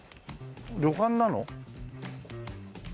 旅館なの？